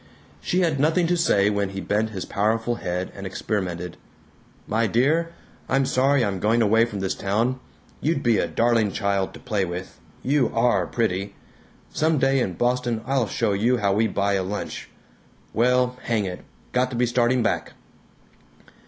She had nothing to say when he bent his powerful head and experimented, "My dear, I'm sorry I'm going away from this town. You'd be a darling child to play with. You ARE pretty! Some day in Boston I'll show you how we buy a lunch. Well, hang it, got to be starting back."